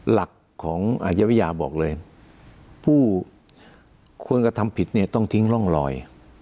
หลักของอาชวิทยาบอกเลยผู้ควรกระทำผิดเนี่ยต้องทิ้งร่องรอย